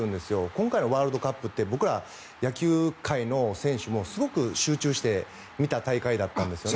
今回のワールドカップって僕ら、野球界の選手もすごく集中して見た大会だったんですよね。